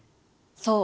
そう！